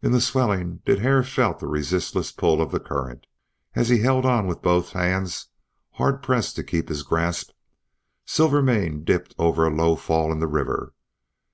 In the swelling din Hare felt the resistless pull of the current. As he held on with both hands, hard pressed to keep his grasp, Silvermane dipped over a low fall in the river.